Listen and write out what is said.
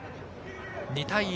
２対１。